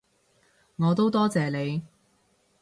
我都多謝你